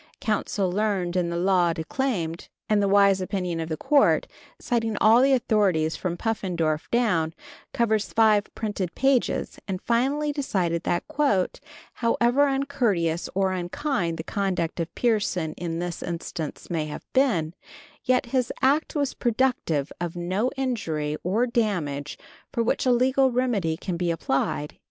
Counsel learned in the law declaimed, and the wise opinion of the court, citing all the authorities from Puffendorf down, covers five printed pages, and finally decided that, "However uncourteous or unkind the conduct of Pierson in this instance may have been, yet this act was productive of no injury or damage for which a legal remedy can be applied."